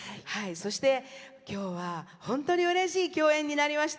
そして今日は本当にうれしい共演になりました。